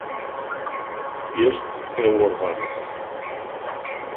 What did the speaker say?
Este é o orvalho.